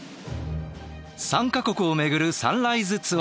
３か国を巡るサンライズツアー。